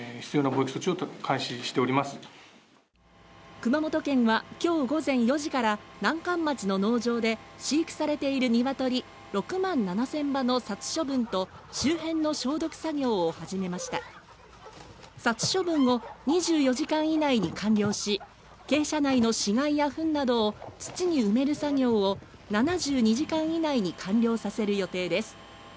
熊本県はきょう午前４時から南関町の農場で飼育されているニワトリ６万７０００羽の殺処分と周辺の消毒作業を始めました殺処分を２４時間以内に完了し鶏舎内の死骸や糞などを土に埋める作業を７２時間以内に完了させる予定です